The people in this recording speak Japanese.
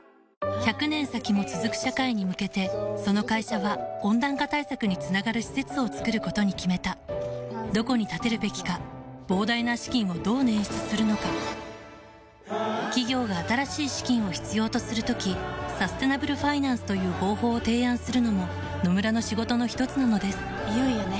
１００年先も続く社会に向けてその会社は温暖化対策につながる施設を作ることに決めたどこに建てるべきか膨大な資金をどう捻出するのか企業が新しい資金を必要とする時サステナブルファイナンスという方法を提案するのも野村の仕事のひとつなのですいよいよね。